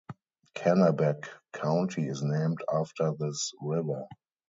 Kanabec County is named after this river.